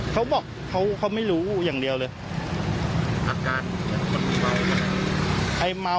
เขาบอกเขาไม่รู้อย่างเดียวเลย